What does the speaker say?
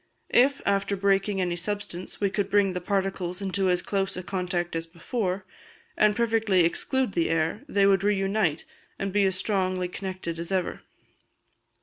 If, after breaking any substance, we could bring the particles into as close a contact as before, and perfectly exclude the air, they would re unite, and be as strongly connected as ever.